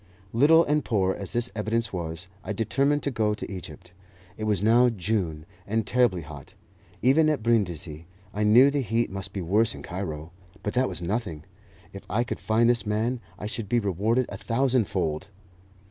Little and poor as this evidence was, I determined to go to Egypt. It was now June, and terribly hot, even at Brindisi; I knew the heat must be worse in Cairo, but that was nothing. If I could find this man, I should be rewarded a thousandfold.